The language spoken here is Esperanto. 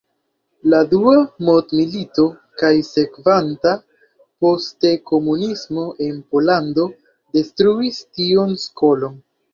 La dua mondmilito kaj sekvanta poste komunismo en Pollando detruis tiun skolon.